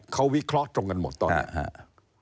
เขาวิเคราะห์ตรงกันหมดตอนนี้ครับ